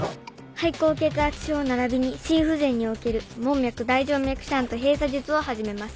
肺高血圧症ならびに心不全における門脈大静脈シャント閉鎖術を始めます。